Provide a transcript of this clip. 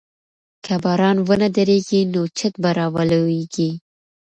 که باران ونه دريږي نو چت به راولوېږي.